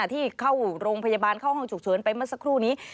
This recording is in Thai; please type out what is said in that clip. ที่เข้าโรงพยาบาลเข้าห้องฉุกเฉินไปเมื่อสักครู่นี้